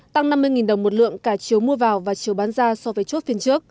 tăng năm mươi đồng một lượng cả chiếu mua vào và chiếu bán ra so với chốt phiên trước